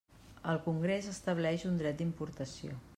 El Congrés estableix un dret d'importació.